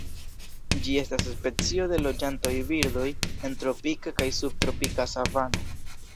Ĝi estas specio de loĝantaj birdoj en tropika kaj subtropika savano.